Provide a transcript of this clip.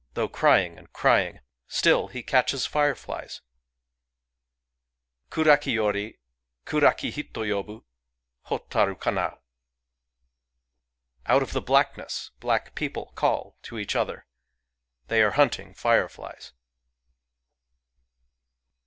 Though crying and crying, still he catches fireflies ! Kuraki yori Kuraki hito yobu : Hotaru kana ! Out of the blackness black people call [to each other] : [they are hunting] fireflies